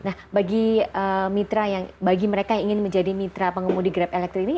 nah bagi mitra yang bagi mereka yang ingin menjadi mitra pengemudi grab elektrik ini